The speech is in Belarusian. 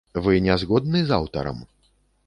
Вы не згодны з аўтарам?